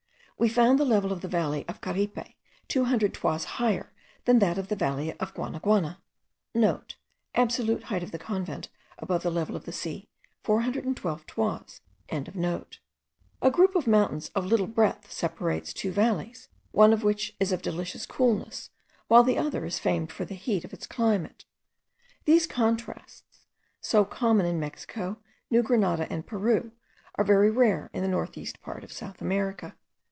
We found the level of the valley of Caripe 200 toises higher than that of the valley of Guanaguana.* (* Absolute height of the convent above the level of the sea, 412 toises.) A group of mountains of little breadth separates two valleys, one of which is of delicious coolness, while the other is famed for the heat of its climate. These contrasts, so common in Mexico, New Grenada, and Peru, are very rare in the north east part of South America.